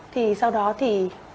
thì sau đó thì